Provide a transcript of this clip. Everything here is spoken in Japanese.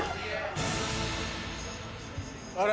あれ？